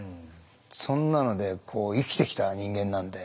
そんなのでこう生きてきた人間なんで。